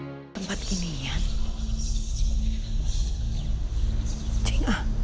hai tempat ini ya